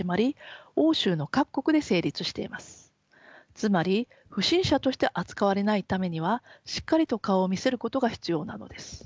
つまり不審者として扱われないためにはしっかりと顔を見せることが必要なのです。